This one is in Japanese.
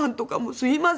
すいません。